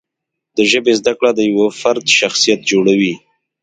د ژبې زده کړه د یوه فرد شخصیت جوړوي.